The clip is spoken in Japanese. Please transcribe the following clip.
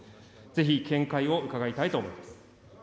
ぜひ見解を伺いたいと思います。